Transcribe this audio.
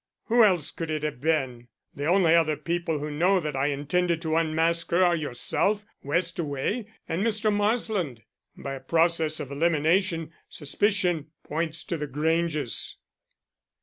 Who else could it have been? The only other people who know that I intended to unmask her are yourself, Westaway and Mr. Marsland. By a process of elimination suspicion points to the Granges."